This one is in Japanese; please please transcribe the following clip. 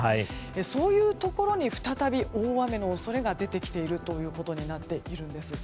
そういうところに再び大雨の恐れが出てきているということになっているんです。